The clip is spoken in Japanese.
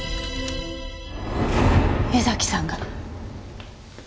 江崎さんが？